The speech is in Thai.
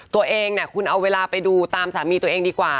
ตัวเองคุณเอาเวลาไปดูตามสามีตัวเองดีกว่า